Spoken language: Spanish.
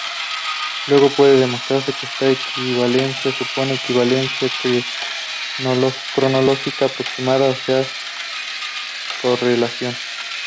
Luego puede demostrarse que esta equivalencia supone equivalencia cronológica aproximada, o sea, correlación.